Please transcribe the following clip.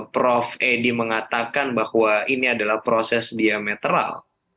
prof edi mengatakan bahwa ini adalah proses diametral